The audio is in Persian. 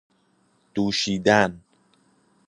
دوشیدن